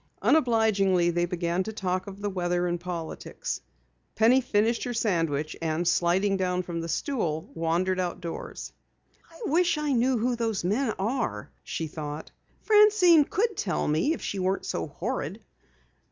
Unobligingly, they began to talk of the weather and politics. Penny finished her sandwich, and sliding down from the stool wandered outdoors. "I wish I knew who those men are," she thought. "Francine could tell me if she weren't so horrid."